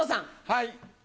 はい。